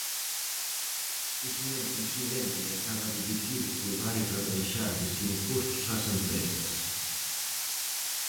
O señor presidente acaba de dicir que vai rebaixarlles impostos ás empresas.